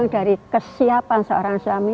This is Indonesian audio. dari kesiapan seorang suami